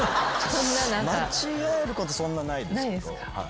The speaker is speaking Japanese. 間違えることそんなないですけど。